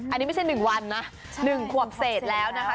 อันนี้ไม่ใช่๑วันนะ๑ขวบเศษแล้วนะคะ